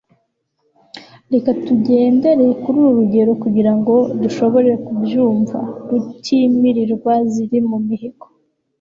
Reka tugendere kuri uru rugero kugira ngo dushobore kubyumva. Rutiimiirwa ziri mu mihigo